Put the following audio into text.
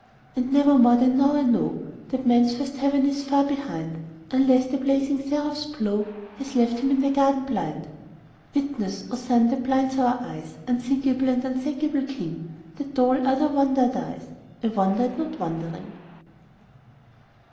And never more than now I know That man's first heaven is far behind; Unless the blazing seraph's blow Has left him in the garden blind. Witness, O Sun that blinds our eyes, Unthinkable and unthankable King, That though all other wonder dies I wonder at not wondering.